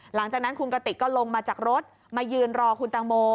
หลังจากนั้นคุณกติกก็ลงมาจากรถมายืนรอคุณตังโม